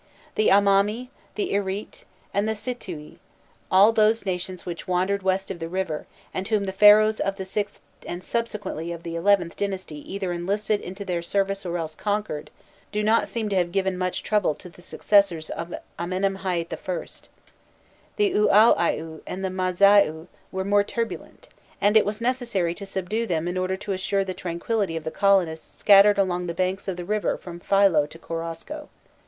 The Amami, the Irittt, and the Sitiu, all those nations which wandered west of the river, and whom the Pharaohs of the VIth and subsequently of the XIth dynasty either enlisted into their service or else conquered, do not seem to have given much trouble to the successors of Amenemhâît I. The Ûaûaiû and the Mâzaiû were more turbulent, and it was necessary to subdue them in order to assure the tranquillity of the colonists scattered along the banks of the river from Philo to Korosko.